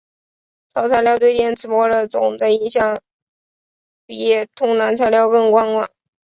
超材料对电磁波的总的响应比通常材料更宽广。